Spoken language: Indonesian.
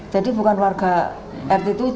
jadi bukan warga rt tujuh